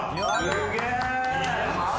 ・すげえ！